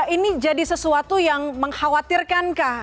ini jadi sesuatu yang mengkhawatirkan kah